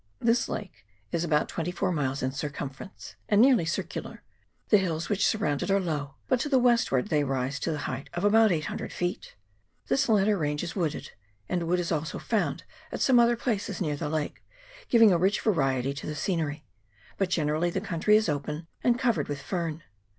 This lake is about twenty four miles in circum ference, and nearly circular. The hills which sur round it are low, but to the westward they rise to the height of about 800 feet. This latter range is wooded; and wood is also found at some other places near the lake, giving a rich variety to the CHAP. XXVI.] LAKE ROTU RUA. 389 scenery ; but generally the country is open and covered with fern.